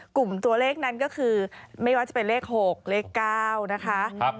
กลุ่มตัวเลขนั้นก็คือไม่ว่าจะเป็นเลข๖เลข๙นะคะ